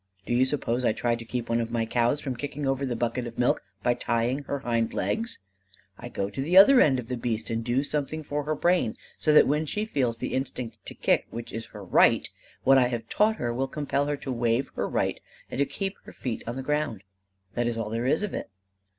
Do you suppose I try to keep one of my cows from kicking over the bucket of milk by tying her hind legs? I go to the other end of the beast and do something for her brain so that when she feels the instinct to kick which is her right, what I have taught her will compel her to waive her right and to keep her feet on the ground. That is all there is of it."